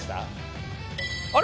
あれ？